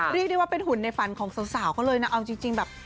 เรียกได้ว่าเป็นหุ่นในฝันของสาวเขาเลยนะเอาจริงแบบ